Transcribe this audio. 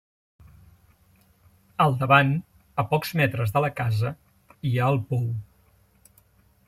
Al davant, a pocs metres de la casa, hi ha el pou.